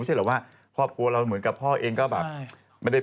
ไม่ใช่แหละว่าพ่อครัวเราเหมือนกับพ่อเองก็แบบ